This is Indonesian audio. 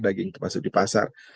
daging masuk di pasar